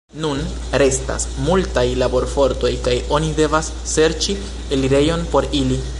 Nun restas multaj laborfortoj kaj oni devas serĉi elirejon por ili.